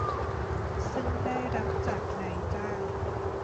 ซึ่งได้รับจากนายจ้าง